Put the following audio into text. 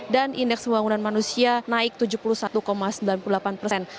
dan indeks pembangunan manusia naik tujuh puluh satu sembilan puluh delapan persen